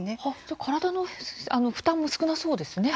体の負担も少なそうですね。